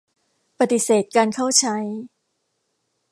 ปฏิเสธการเข้าใช้.